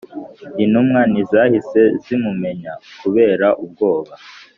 Intumwa ntizahise zimumenya kubera ubwoba